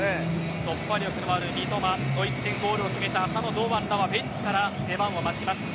突破力のある三笘ドイツ戦ゴールを決めた浅野、堂安はベンチから出番を待ちます。